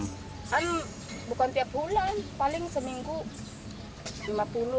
kan bukan tiap bulan paling seminggu rp lima puluh